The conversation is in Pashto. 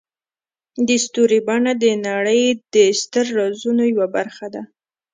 د ستوري بڼه د نړۍ د ستر رازونو یوه برخه ده.